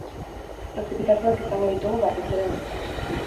Prezipitazioak izango ditugu, batez ere goizean.